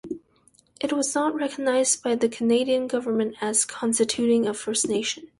It is not recognized by the Canadian government as constituting a First Nation.